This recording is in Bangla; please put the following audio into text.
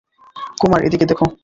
কুমার, ওদিকে দেখ।